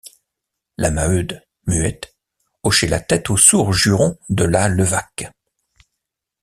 La Maheude, muette, hochait la tête aux sourds jurons de la Levaque.